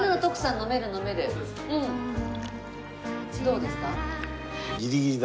どうですか？